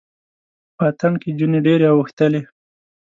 په اتڼ کې جونې ډیرې اوښتلې